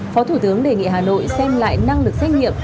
phó thủ tướng đề nghị hà nội xem lại năng lực xét nghiệm